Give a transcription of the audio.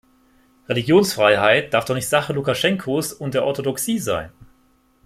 Religionsfreiheit darf doch nicht Sache Lukaschenkos und der Orthodoxie sein?